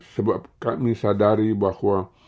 sebab kami sadari bahwa